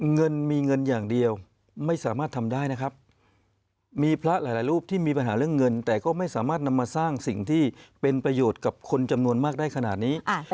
เงินมีเงินอย่างเดียวไม่สามารถทำได้นะครับมีพระหลายรูปที่มีปัญหาเรื่องเงินแต่ก็ไม่สามารถนำมาสร้างสิ่งที่เป็นประโยชน์กับคนจำนวนมากได้ขนาดนี้